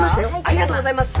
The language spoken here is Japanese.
「ありがとうございます」。